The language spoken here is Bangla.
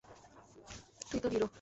তুই তো হিরো।